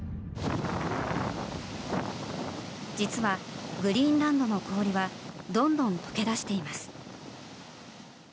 実は、グリーンランドの氷はどんどん解け出しています。